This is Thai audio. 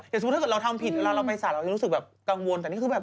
หลุดออกมาอะไรอย่างนี้ใช่มั้งเอือ